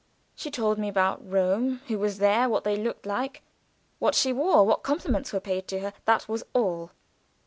She told me about Rome; who was there; what they did and looked like; what she wore; what compliments were paid to her that was all.